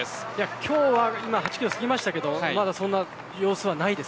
今日は８キロを過ぎましたがまだそんな様子はないです。